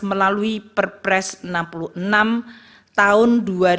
melalui perpres enam puluh enam tahun dua ribu dua puluh